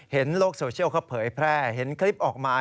โลกโซเชียลเขาเผยแพร่เห็นคลิปออกมา